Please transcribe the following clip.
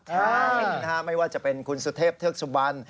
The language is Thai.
ใช่นะฮะไม่ว่าจะเป็นคุณสุเทพเทือกสุบัน